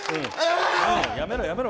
やめろ、やめろ。